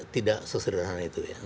tidak sesederhana itu ya